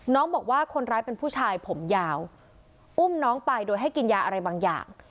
บอกว่าคนร้ายเป็นผู้ชายผมยาวอุ้มน้องไปโดยให้กินยาอะไรบางอย่าง